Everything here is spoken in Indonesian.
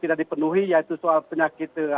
tidak dipenuhi yaitu soal penyakit